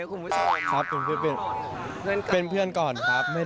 คุณผู้ชม